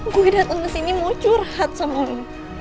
gue dateng kesini mau curhat sama lo